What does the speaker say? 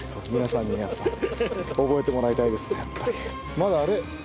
まだ「あれ？